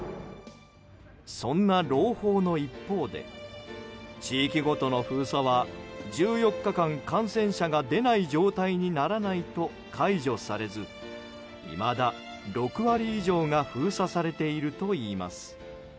そんな朗報の一方で地域ごとの封鎖は１４日間、感染者が出ない状態にならないと解除されずいまだ６割以上が封鎖されているといいます。